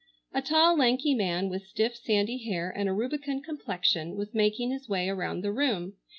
A tall lanky man with stiff sandy hair and a rubicund complexion was making his way around the room.